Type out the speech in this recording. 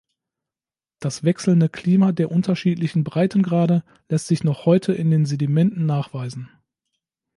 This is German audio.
Das wechselnde Klima der unterschiedlichen Breitengrade lässt sich noch heute in den Sedimenten nachweisen.